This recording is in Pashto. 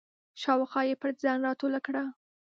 شاوخوا یې پر ځان راټوله کړه.